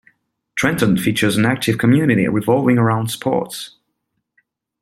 Trenton features an active community revolving around sports.